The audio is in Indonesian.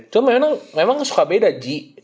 cuma memang suka beda ji